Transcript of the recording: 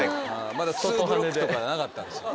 まだツーブロックとかなかったんですよ。